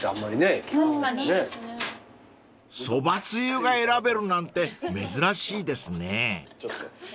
［そばつゆが選べるなんて珍しいですね］